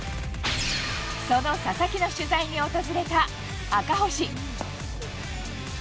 その佐々木の取材に訪れた、赤星。